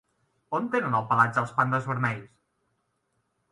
On tenen el pelatge els pandes vermells?